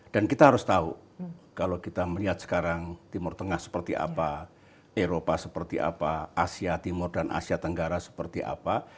dan kita harus tahu kalau kita melihat sekarang timur tengah seperti apa eropa seperti apa asia timur dan asia tenggara seperti apa